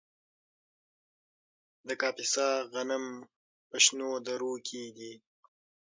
د کاپیسا غنم په شنو درو کې دي.